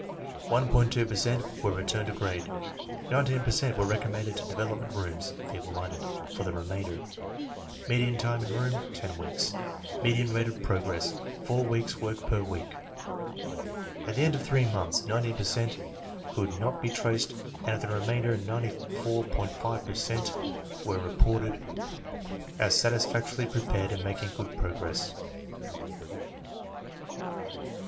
2 per cent were returned to grade 19 per cent were recommended to Development Rooms (feeble minded) For the remainder Median time in room, 10 weeks Median rate of progress, 4 weeks' work per week At the end of three months, 19 per cent could not be traced, and of the remainder 94.5 per cent were re ported as satisfactorily prepared and making good progress.